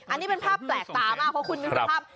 อันนี้เป็นภาพแปลกตามากเพราะคุณนึกสภาพ